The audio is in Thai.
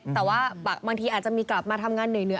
แต่ว่าบางทีอาจจะมีกลับมาทำงานเหนื่อย